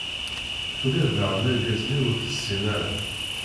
Tuggad daɣen argaz-nni ur tessin ara.